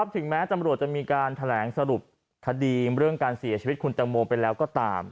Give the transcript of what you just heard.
ถึงแม้ตำรวจจะมีการแถลงสรุปคดีเรื่องการเสียชีวิตคุณตังโมไปแล้วก็ตาม